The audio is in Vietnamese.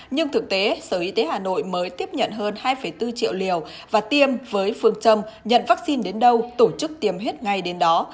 nhưng thực tế sở y tế hà nội mới tiếp nhận hơn hai bốn triệu liều và tiêm với phương châm nhận vaccine đến đâu tổ chức tiêm hết ngay đến đó